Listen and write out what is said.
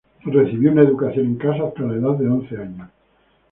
Recibió una educación en casa hasta la edad de once años.